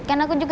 kan aku juga